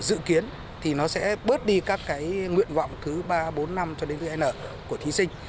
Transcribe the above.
dự kiến thì nó sẽ bớt đi các cái nguyện vọng cứ ba bốn năm cho đến cái n của thí sinh